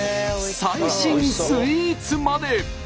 最新スイーツまで！